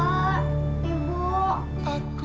saya akan melihatnya